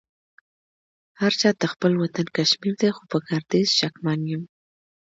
هرچا ته خپل وطن کشمير دې خو په ګرديز شکمن يم